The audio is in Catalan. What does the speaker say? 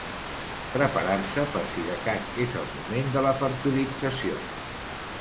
Preparar-se per si de cas és el moment de la fertilització.